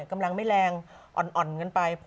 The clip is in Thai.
กำลังไม่แรงอ่อนกันไป